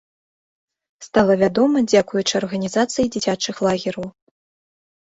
Стала вядома дзякуючы арганізацыі дзіцячых лагераў.